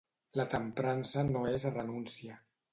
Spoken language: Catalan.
La temprança no és renúncia.